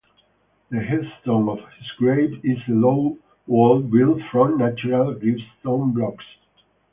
The headstone of his grave is a low wall built from natural gritstone blocks.